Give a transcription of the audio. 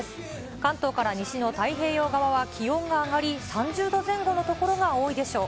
関東から西の太平洋側は気温が上がり、３０度前後の所が多いでしょう。